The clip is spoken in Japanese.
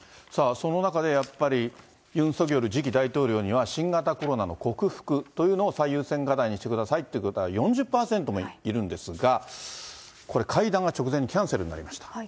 その中で、やっぱりユン・ソギョル次期大統領には新型コロナの克服というのを最優先課題にしてくださいという方が４０％もいるんですが、これ、会談が直前にキャンセルになりました。